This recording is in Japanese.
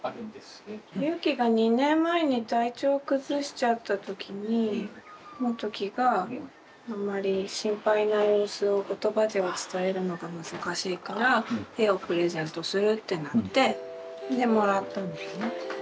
結輝が２年前に体調崩しちゃった時に志基があんまり心配な様子を言葉では伝えるのが難しいから絵をプレゼントするってなってでもらったんだよね。